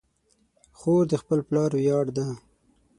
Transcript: خور د خپل پلار ویاړ ده.